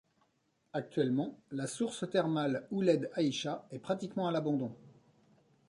Actuellement, la source thermale Ouled Aïcha est pratiquement à l'abandon.